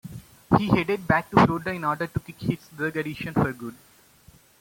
He headed back to Florida in order to kick his drug addiction for good.